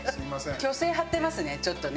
虚勢張ってますねちょっとね。